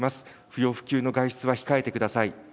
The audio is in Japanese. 不要不急の外出は控えてください。